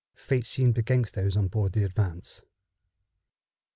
Fate seemed against those on board the Advance.